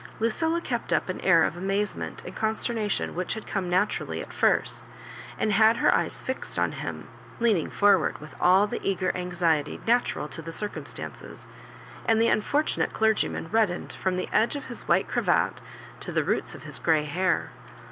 Lucilla kept up the air of amaze ment and consternation which had come natural ly at the first, and had her eyes fixed on him, leaning forward with all the eager anxiety natu ral to the circumstances, and the unfortunate clergyman reddened from the edge of his white cravat to the roots of hi«i grey hair.